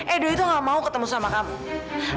edo itu gak mau ketemu sama kamu